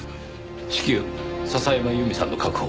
至急笹山由美さんの確保